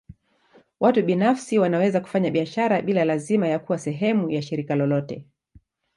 Watu binafsi wanaweza kufanya biashara bila lazima ya kuwa sehemu ya shirika lolote.